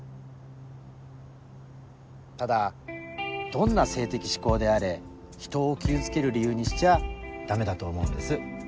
ただどんな性的嗜好であれひとを傷つける理由にしちゃダメだと思うんです。